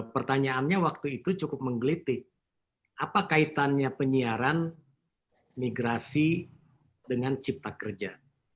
pertanyaannya waktu itu cukup menggelitik apa kaitannya penyiaran migrasi dengan cipta kerja